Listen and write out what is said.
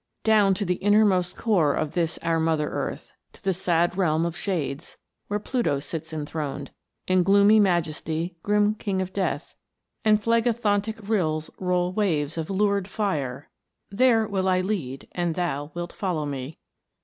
Down to the inmost core of this our mother Earth, To the sad realm of shades, where Pluto sits enthroned, In gloomy majesty, grim King of Death ; And Phlegethontic rills roll waves of lurid fire There will I lead, an thou wilt follow me.